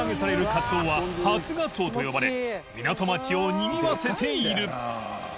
カツオは初ガツオと呼ばれ祖にぎわせている磴